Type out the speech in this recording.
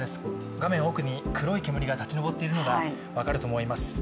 画面奥に黒い煙が立ち上っているのがわかると思います。